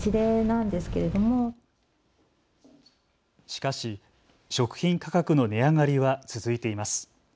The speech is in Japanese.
しかし、食品価格の値上がりは続いています。